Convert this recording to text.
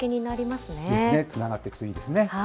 ですね、つながっていくといいですね。